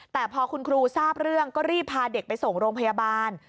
แต่พอคุณครูทราบเรื่องก็รีบพาเด็กไปส่งโรงพยาบาล